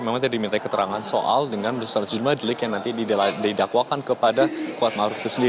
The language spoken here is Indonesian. memang tadi diminta keterangan soal dengan berusaha jumlah delik yang nanti didakwakan kepada kuatmaruf itu sendiri